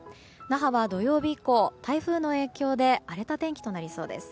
那覇は土曜日以降、台風の影響で荒れた天気となりそうです。